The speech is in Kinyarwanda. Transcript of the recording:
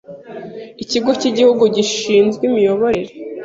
ikigo cy’Igihugu gishinzwe imiyoborere,